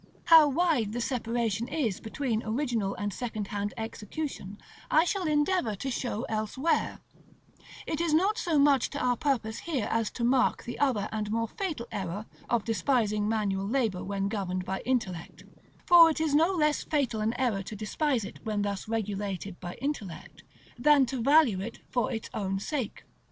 How wide the separation is between original and second hand execution, I shall endeavor to show elsewhere; it is not so much to our purpose here as to mark the other and more fatal error of despising manual labor when governed by intellect; for it is no less fatal an error to despise it when thus regulated by intellect, than to value it for its own sake.